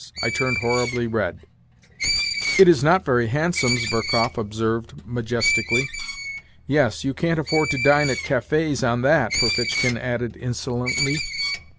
I turned horribly red. " It is not very handsome," Zverkov observed majestically. " Yes, you can't afford to dine at cafes on that," Ferfitchkin added insolently.